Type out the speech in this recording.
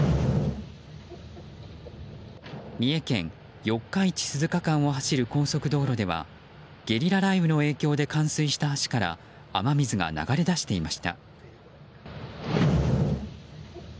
三重県四日市鈴鹿間を走る高速道路ではゲリラ雷雨の影響で冠水した橋から雨水が流れ出していました。